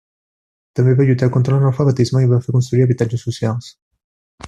També va lluitar contra l'analfabetisme i va fer construir habitatges socials.